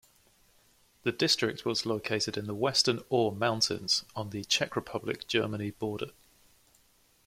The district was located in the western Ore Mountains on the Czech Republic-Germany border.